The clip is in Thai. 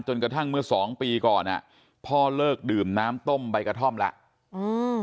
กระทั่งเมื่อสองปีก่อนอ่ะพ่อเลิกดื่มน้ำต้มใบกระท่อมแล้วอืม